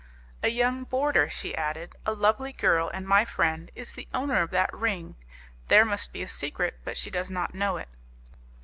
"A young boarder," she added, "a lovely girl, and my friend, is the owner of that ring. There must be a secret, but she does not know it."